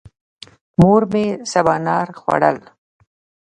مور مې سبانار خوړل.